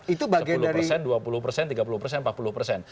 itu bagian dari